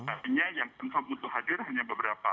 artinya yang confirm untuk hadir hanya beberapa